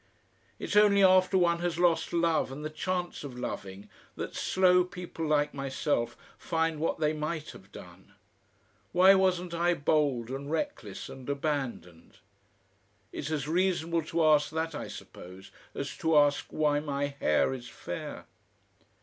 "It's only after one has lost love and the chance of loving that slow people like myself find what they might have done. Why wasn't I bold and reckless and abandoned? It's as reasonable to ask that, I suppose, as to ask why my hair is fair....